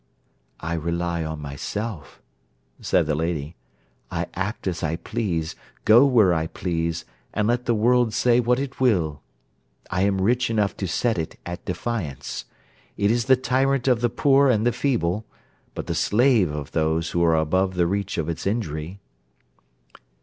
'I rely on myself,' said the lady. 'I act as I please, go where I please, and let the world say what it will. I am rich enough to set it at defiance. It is the tyrant of the poor and the feeble, but the slave of those who are above the reach of its injury.'